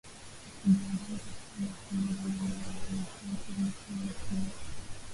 kibinadamu katika nafsi moja Lengo la umwilisho lilikuwa wokovu